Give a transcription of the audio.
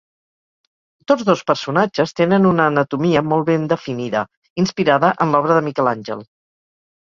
Tots dos personatges tenen una anatomia molt ben definida, inspirada en l'obra de Miquel Àngel.